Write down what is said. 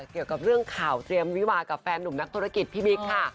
เกี่ยวกับเรื่องข่าวเตรียมวิวากับแฟนหนุ่มนักธุรกิจพี่บิ๊กค่ะ